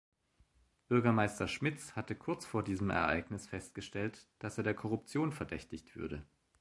Bürgermeister Schmitz hatte kurz vor diesem Ereignis festgestellt, dass er der Korruption verdächtigt würde.